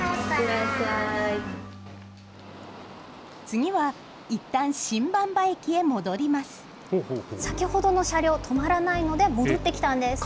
次は、いったん新馬場駅へ戻ります。